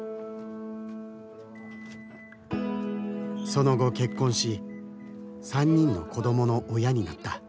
その後結婚し３人の子どもの親になった。